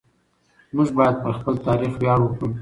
موږ باید پر خپل تاریخ ویاړ وکړو.